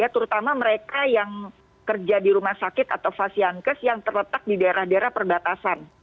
terutama mereka yang kerja di rumah sakit atau fasiankes yang terletak di daerah daerah perbatasan